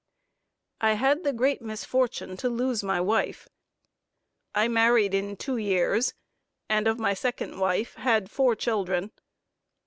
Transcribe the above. I had the great misfortune to lose my wife. I married in two years, and of my second wife had four children.